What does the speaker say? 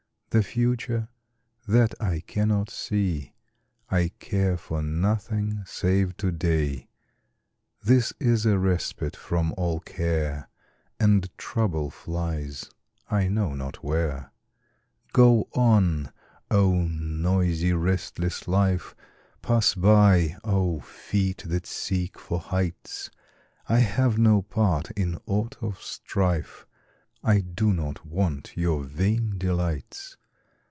The future that I cannot see! I care for nothing save to day This is a respite from all care, And trouble flies I know not where. Go on, oh, noisy, restless life! Pass by, oh, feet that seek for heights! I have no part in aught of strife; I do not want your vain delights.